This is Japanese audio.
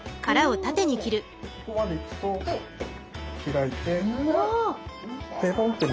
ここまでいくと開いてペロンってむけていきます。